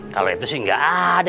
kalau itu sih nggak ada